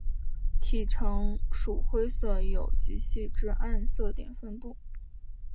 体成鼠灰色有极细之暗色点散布。